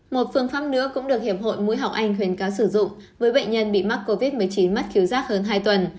một phương pháp nữa cũng được hiệp hội mũi họng anh khuyến cáo sử dụng với bệnh nhân bị mắc covid một mươi chín mất khiếu rác hơn hai tuần